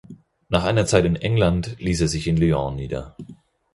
Nach einer Zeit in England ließ er sich in Lyon nieder.